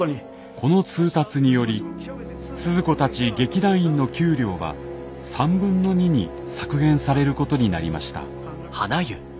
この通達によりスズ子たち劇団員の給料は３分の２に削減されることになりました。